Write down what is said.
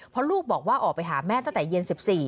เพราะลูกบอกว่าออกไปหาแม่ตั้งแต่เย็น๑๔